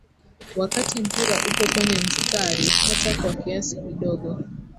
Wakati mpira uko kwenye mstari hata kwa kiasi kidogo